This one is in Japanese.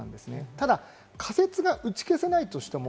ただ仮説が打ち消せないとしても。